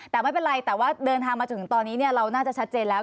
แต่ไม่เป็นไรแต่ว่าเดินทางมาถึงตอนนี้เราน่าจะชัดเจนแล้ว